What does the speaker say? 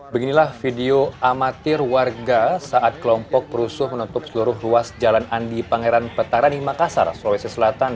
beginilah video amatir warga saat kelompok perusuh menutup seluruh ruas jalan andi pangeran petarani makassar sulawesi selatan